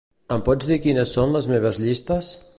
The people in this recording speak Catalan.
Em pots dir quines són les meves llistes?